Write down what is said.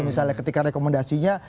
misalnya ketika rekomendasinya